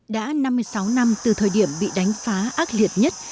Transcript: đã năm mươi sáu năm từ thời điểm bị đánh phá ác liệt nhất